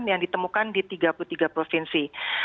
yang ditemukan di tiga puluh tiga provinsi